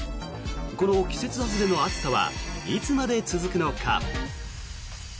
この季節外れの暑さはいつまで続くのか？